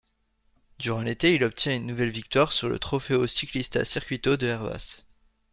Durant l'été, il obtient une nouvelle victoire sur le Trofeo Ciclista Circuito de Hervás.